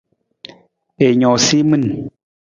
I noosa i min.